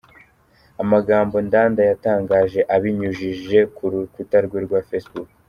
Amagambo Ndanda yatangaje abinyujije ku rukuta rwe rwa Facebook.